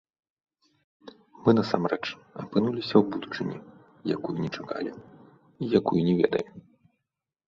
Мы насамрэч апынуліся ў будучыні, якую не чакалі і якую не ведаем.